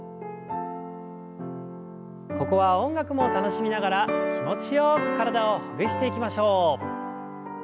ここは音楽も楽しみながら気持ちよく体をほぐしていきましょう。